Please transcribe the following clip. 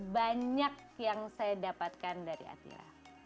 banyak yang saya dapatkan dari atila